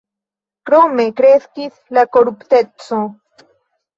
Krome kreskis la korupteco.